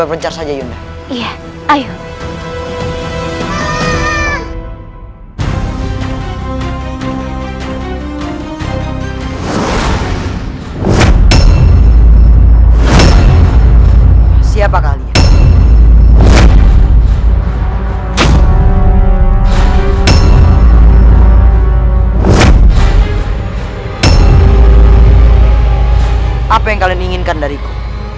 apa yang kalian inginkan dariku